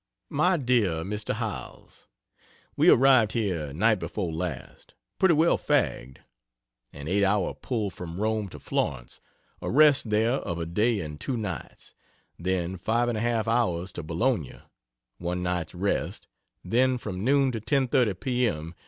MY DEAR HOWELLS, We arrived here night before last, pretty well fagged: an 8 hour pull from Rome to Florence; a rest there of a day and two nights; then 5 1/2 hours to Bologna; one night's rest; then from noon to 10:30 p.m.